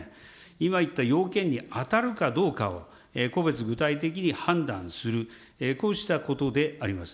今言った要件に当たるかどうかは、個別具体的に判断する、こうしたことであります。